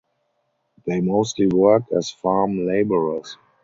They mostly work as farm labourers.